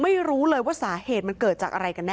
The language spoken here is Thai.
เพื่อนก็งงไม่รู้เลยว่าสาเหตุมันเกิดจากอะไรกันแน่